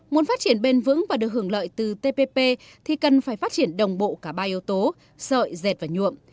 muốn phát triển bền vững và được hưởng lợi từ tpp thì cần phải phát triển đồng bộ cả ba yếu tố sợi dệt và nhuộm